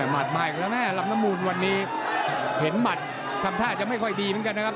มัดมาอีกแล้วแม่ลำน้ำมูลวันนี้เห็นหมัดทำท่าจะไม่ค่อยดีเหมือนกันนะครับ